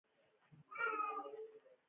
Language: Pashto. خو د سلسلې شونډې وځړېدې.